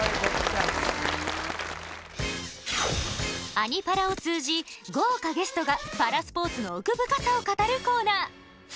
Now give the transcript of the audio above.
「アニ×パラ」を通じ豪華ゲストがパラスポーツの奥深さを語るコーナー。